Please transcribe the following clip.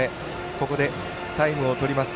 ここでタイムをとります